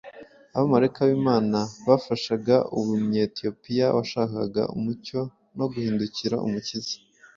Abamarayika b’Imana bafashaga uyu Munyetiyopiya washakaga umucyo no guhindukirira Umukiza.